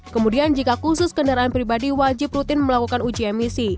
kemudian jika khusus kendaraan pribadi wajib rutin melakukan uji emisi